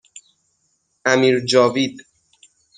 امیرجاوید